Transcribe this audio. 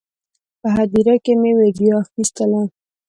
په هدیره کې مې ویډیو اخیستله.